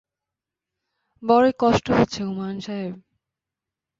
বড়ই কষ্ট হচ্ছে হুমায়ূন সাহেব!